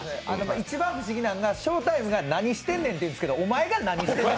一番不思議なのがショータイムが何してんねんって言ってるんですけど、おまえが何してんねん！